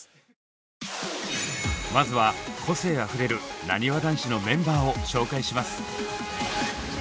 まずは個性あふれるなにわ男子のメンバーを紹介します！